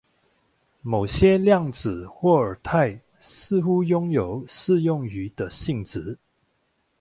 某些量子霍尔态似乎拥有适用于的性质。